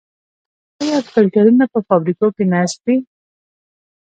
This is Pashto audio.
آیا فلټرونه په فابریکو کې نصب دي؟